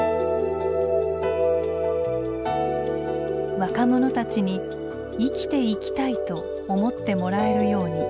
若者たちに生きていきたいと思ってもらえるように。